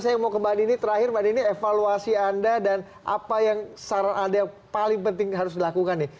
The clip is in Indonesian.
saya mau kembali ini terakhir evaluasi anda dan apa yang saran anda yang paling penting harus dilakukan nih